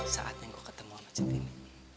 saatnya gue ketemu sama centini